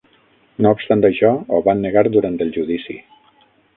No obstant això, ho van negar durant el judici.